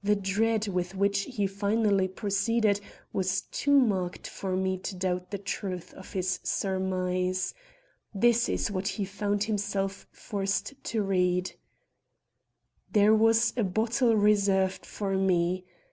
The dread with which he finally proceeded was too marked for me to doubt the truth of this surmise. This is what he found himself forced to read: "There was a bottle reserved for me.